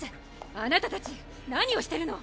あなたたち何をしてるの！